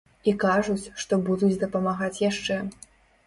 І кажуць, што будуць дапамагаць яшчэ.